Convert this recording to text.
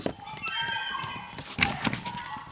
تاسو باید د هلمند نوم په نېکۍ سره یاد کړئ.